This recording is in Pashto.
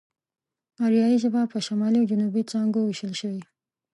آريايي ژبه په شمالي او جنوبي څانگو وېشل شوې.